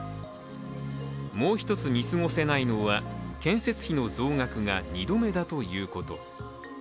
もう一つ見過ごせないのは建設費の増額が２度目だということ。